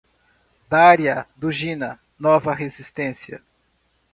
Daria Dugina, Nova Resistência